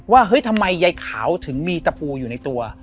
เฮ้ยทำไมยายขาวถึงมีตะปูอยู่ในตัว